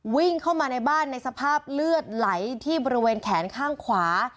วิ่งเข้ามาในบ้านในสภาพเลือดไหลที่บริเวณแขนข้างขวา